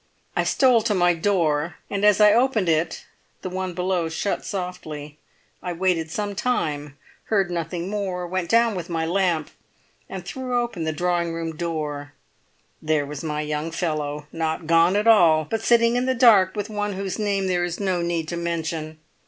I stole to my door, and as I opened it the one below shut softly. I waited some time, heard nothing more, went down with my lamp, and threw open the drawing room door. There was my young fellow, not gone at all, but sitting in the dark with one whose name there is no need to mention.